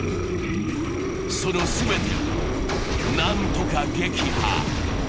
その全てを何とか撃破。